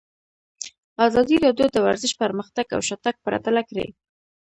ازادي راډیو د ورزش پرمختګ او شاتګ پرتله کړی.